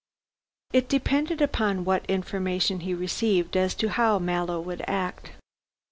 It depended upon what information he received as to how Mallow would act.